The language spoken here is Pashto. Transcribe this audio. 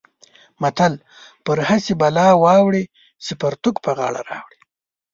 متل: پر هسې بلا واوړې چې پرتوګ پر غاړه راوړې.